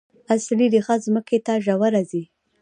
اصلي ریښه ځمکې ته ژوره ځي